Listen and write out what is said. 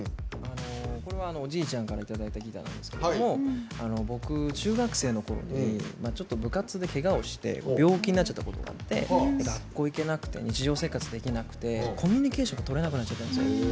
これはおじいちゃんからいただいたギターなんですけれども僕、中学生のころにちょっと部活で、けがをして病気になっちゃったことがあって学校行けなくて日常生活できなくてコミュニケーションがとれなくなっちゃったんです。